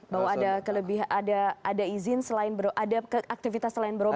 bahwa ada izin selain berobat ada aktivitas selain berobat yang dilakukan